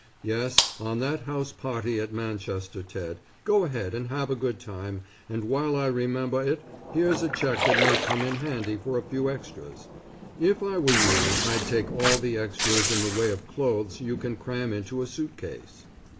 Yes, on that house party at Manchester, Ted, go ahead and have a good time and while I remember it here's a check that may come in handy for a few extras. If I were you, I'd take all the extras in the way of clothes you can cram into a suit case.